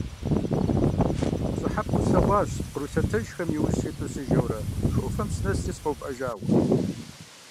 Пщӏыхьэпӏэу слъэгъуащ къру лъэтэжхэм яужь ситу сыжэурэ, хы ӏуфэм сынэсри сыкъэувыӏэжауэ.